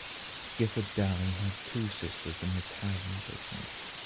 Gifford Dalley had two sisters in the Tavern business.